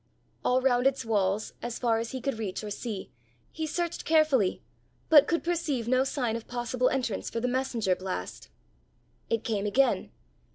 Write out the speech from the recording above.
All round its walls, as far as he could reach or see, he searched carefully, but could perceive no sign of possible entrance for the messenger blast. It came again!